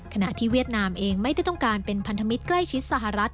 ขณะที่เวียดนามเองไม่ได้ต้องการเป็นพันธมิตรใกล้ชิดสหรัฐ